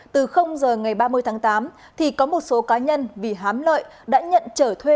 từ giờ ngày ba mươi tháng tám thì có một số cá nhân vì hám lợi đã nhận trở thuê